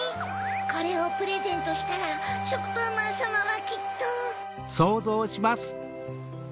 これをプレゼントしたらしょくぱんまんさまはきっと。